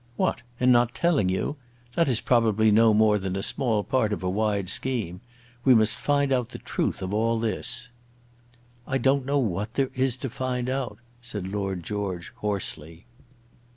"What in not telling you? That is probably no more than a small part of a wide scheme. We must find out the truth of all this." "I don't know what there is to find out," said Lord George, hoarsely.